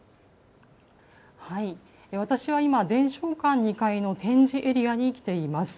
私は今、伝承館２階の展示エリアに来ています。